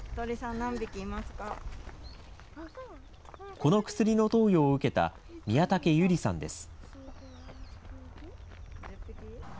この薬の投与を受けた宮武有里さんです。